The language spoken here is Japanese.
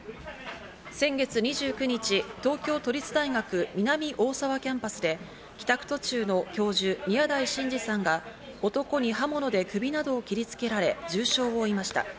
先月２９日、東京都立大学南大沢キャンパスで帰宅途中の教授・宮台真司さんが男に刃物で首などを切りつけられ、重傷を負いました。